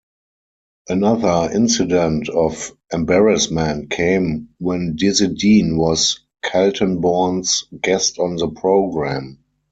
Another incident of embarrassment came when Dizzy Dean was Kaltenborn's guest on the program.